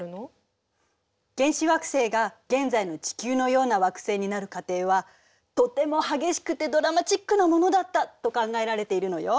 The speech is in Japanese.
原始惑星が現在の地球のような惑星になる過程はとても激しくてドラマチックなものだったと考えられているのよ。